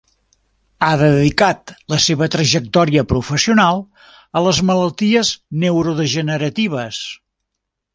Ha dedicat la seva trajectòria professional a les malalties neurodegeneratives.